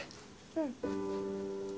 うん。